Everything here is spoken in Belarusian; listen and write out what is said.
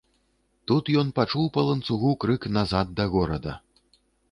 Тут ён пачуў па ланцугу крык назад да горада.